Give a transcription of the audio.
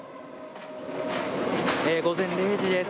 午前０時です。